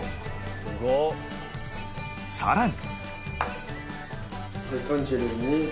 さらに